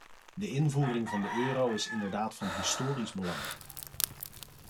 De invoering van de euro is inderdaad van historisch belang.